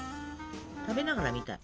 食べながら見たい。